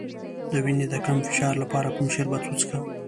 د وینې د کم فشار لپاره کوم شربت وڅښم؟